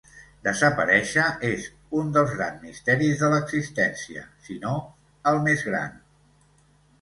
Desaparèixer és un dels grans misteris de l'existència, si no el més gran.